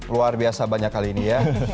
luar biasa banyak kali ini ya